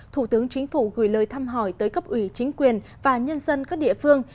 thủ tướng chính phủ gửi lời thăm hỏi tới cấp ủy chính quyền và nhân dân các địa phương